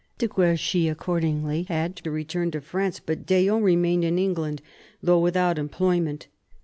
De Guerchy accordingly had to return to France; but d'Eon remained in England, though without employment.